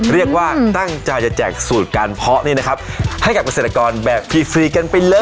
เรียกว่าตั้งใจจะแจกสูตรการเพาะนี่นะครับให้กับเกษตรกรแบบฟรีกันไปเลย